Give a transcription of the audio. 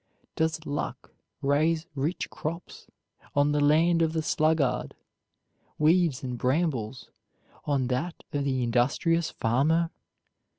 Does luck raise rich crops on the land of the sluggard, weeds and brambles on that of the industrious farmer?